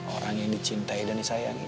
orang yang dicintai dan disayangi